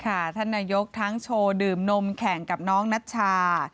ท่านนายกทั้งโชว์ดื่มนมแข่งกับน้องนัชชา